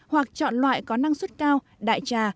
hoặc chọn loại có năng suất cao đại trà